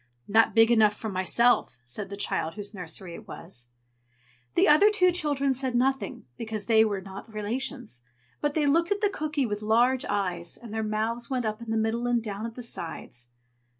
"Not big enough for myself!" said the child whose nursery it was. The other two children said nothing, because they were not relations; but they looked at the cooky with large eyes, and their mouths went up in the middle and down at the sides.